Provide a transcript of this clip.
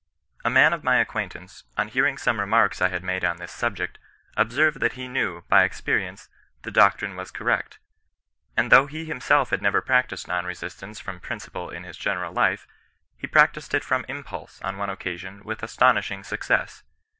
A man of my acquaintance, on hearing some remarks I had made on this subject, observed that he knew, by experience, the doctrine was correct; and though he himself had never practised non resistance from principle in his general life, he practised it &om impulse on one occasion with astonishing success.